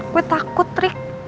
gue takut trik